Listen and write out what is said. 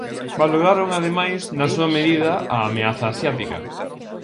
Valoraron ademais na súa medida a "ameaza asiática".